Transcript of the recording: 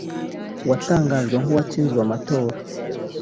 watangajwe nk’uwatsinzwe amatora